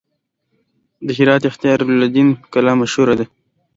د هرات اختیار الدین کلا مشهوره ده